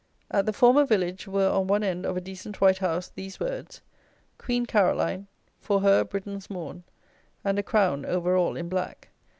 At the former village were on one end of a decent white house, these words, "Queen Caroline; for her Britons mourn," and a crown over all in black.